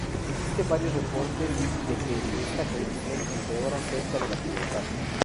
Existen varios reportes de que esta condición empeora cerca de la pubertad.